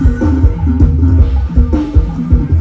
เวลาที่สุดท้าย